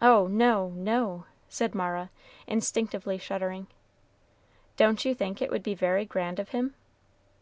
"Oh, no, no!" said Mara, instinctively shuddering. "Don't you think it would be very grand of him?"